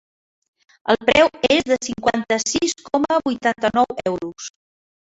El preu és de cinquanta-sis coma vuitanta-nou euros.